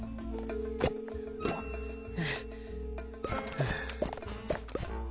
はあ。